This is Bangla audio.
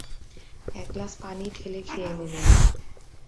এক গ্লাস পানি ঢেলে খেয়ে নিলেন।